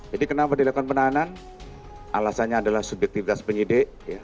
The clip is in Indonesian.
jadi kenapa dilakukan penahanan alasannya adalah subjektivitas penyidik